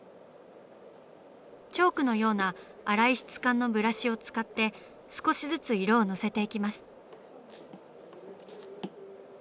チョークのような荒い質感のブラシを使って少しずつ色をのせていきます。